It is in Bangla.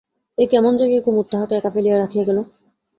এ কেমন জায়গায় কুমুদ তাহাকে একা ফেলিয়া রাখিয়া গেল?